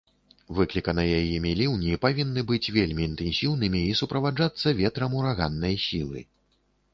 Выкліканыя імі ліўні павінны быць вельмі інтэнсіўнымі і суправаджацца ветрам ураганнай сілы.